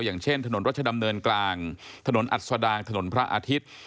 อย่างเช่นถนนรัชดำเนินกลางถนนอัศดางถนนพระอาทิตย์